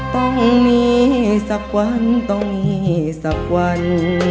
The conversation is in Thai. ต้องมีสักวันต้องมีสักวัน